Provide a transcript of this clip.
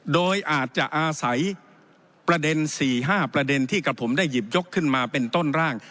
โดยอาจจะอาศัยประเด็น๔๕ประเด็นที่กับผมได้หยิบยกขึ้นมาเป็นต้นร่าง